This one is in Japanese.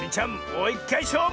もういっかいしょうぶ！